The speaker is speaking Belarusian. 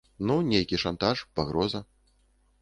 Ну, нейкі шантаж, пагроза.